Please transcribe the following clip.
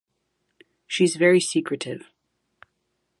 She's very secretive.